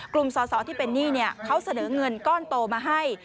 กลุ่มสอสอที่เป็นหนี้เขาเสนอเงินก้อนโตมาให้